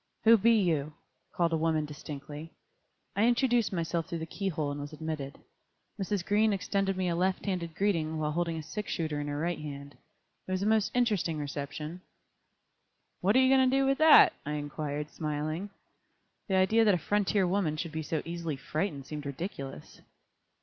"Who be you?" called a woman, distinctly. I introduced myself through the key hole and was admitted. Mrs. Green extended me a left handed greeting while holding a sixshooter in her right hand. It was a most interesting reception. "What are you going to do with that?" I inquired, smiling. The idea that a frontier woman should be so easily frightened seemed ridiculous.